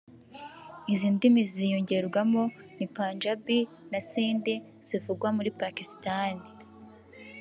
Izi ndimi zizongerwamo ni Panjābī na Sindhi zivugwa muri Pakistan